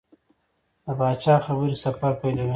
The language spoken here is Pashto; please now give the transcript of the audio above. د پاچا خبرې سفر پیلوي.